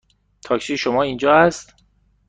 تاکسی شما اینجا است.